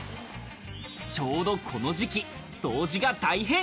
ちょうどこの時期、掃除が大変。